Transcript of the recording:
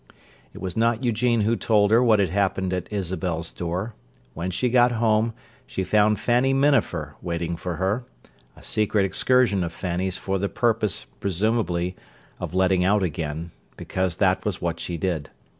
It was not Eugene who told her what had happened at Isabel's door. When she got home, she found Fanny Minafer waiting for her—a secret excursion of Fanny's for the purpose, presumably, of "letting out" again; because that was what she did.